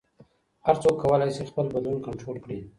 هر څوک کولی شي خپل بدلون کنټرول کړي.